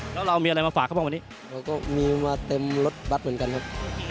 แล้วเรามีอะไรมาฝากเขาบ้างวันนี้เราก็มีมาเต็มรถบัตรเหมือนกันครับ